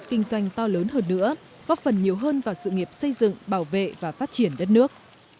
kinh doanh to lớn hơn nữa góp phần nhiều hơn vào sự nghiệp xây dựng bảo vệ và phát triển đất nước